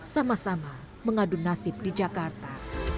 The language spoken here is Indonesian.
sama sama mengadu nasib di jakarta